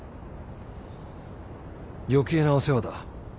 余計なお世話だ。